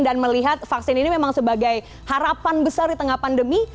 dan melihat vaksin ini memang sebagai harapan besar di tengah pandemi